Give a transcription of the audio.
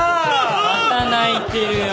また泣いてるよ。